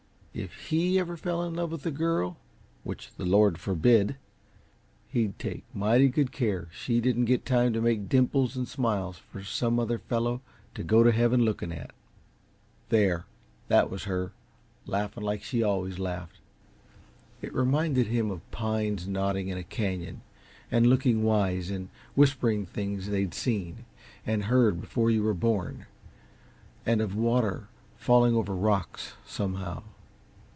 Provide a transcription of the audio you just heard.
If HE ever fell in love with a girl which the Lord forbid he'd take mighty good care she didn't get time to make dimples and smiles for some other fellow to go to heaven looking at. There, that was her, laughing like she always laughed it reminded him of pines nodding in a canyon and looking wise and whispering things they'd seen and heard before you were born, and of water falling over rocks, somehow.